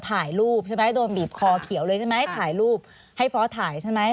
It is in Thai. ถ่ายรูปใช่ไหมโดนบีบคอเขียวเลยใช่ไหมถ่ายรูปให้ฟอสถ่ายใช่ไหม